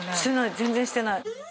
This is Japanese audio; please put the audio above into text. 全然してない。